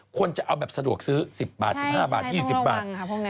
คนจะเอาแบบสะดวกซื้อ๑๐บาท๑๕บาท๒๐บาท